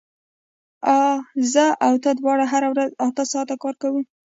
زه او ته دواړه هره ورځ اته ساعته کار کوو